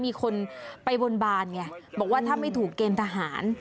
มีคนไปบนบานไงบอกว่าถ้าไม่ถูกเกณฑ์ทหาร